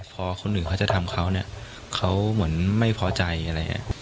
พอคนอื่นเขาจะทำเขาเนี่ยเขาเหมือนไม่พอใจอะไรอย่างนี้